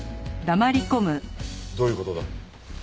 どういう事だ？